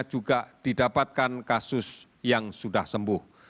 juga didapatkan kasus yang sudah sembuh